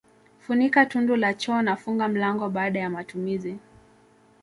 Funika tundu la choo na funga mlango baada ya matumizi